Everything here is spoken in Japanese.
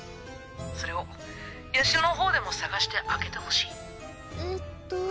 それをヤシロの方でも捜して開けてほしいえっと